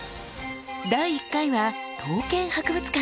第１回は刀剣博物館。